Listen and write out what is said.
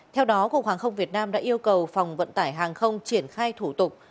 theo đó cục hàng không việt nam đã yêu cầu phòng vận tải hàng không triển khai thủ tục